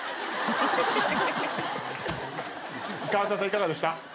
いかがでした？